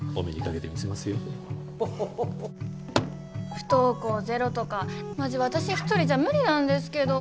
不登校ゼロとかマジわたし一人じゃ無理なんですけど。